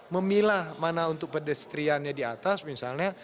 memilah mana untuk pedestriannya di atas misalnya